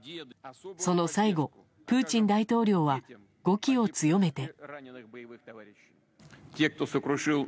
その最後、プーチン大統領は語気を強めて。